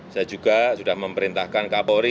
saya juga sudah memerintahkan kapolri